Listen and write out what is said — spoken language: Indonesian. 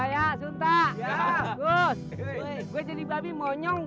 mudah mudahan kita jadi manjang